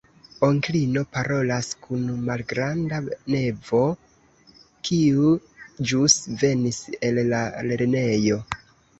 Onklino parolas kun malgranda nevo, kiu ĵus venis el la lernejo.